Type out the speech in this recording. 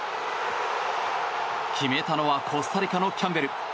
決めたのはコスタリカのキャンベル。